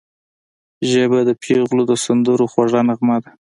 ژبه د پېغلو د سندرو خوږه نغمه ده